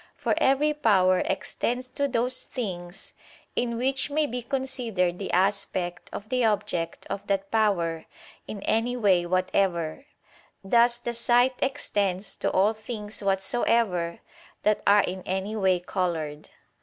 For every power extends to those things in which may be considered the aspect of the object of that power in any way whatever: thus the sight extends to all things whatsoever that are in any way colored.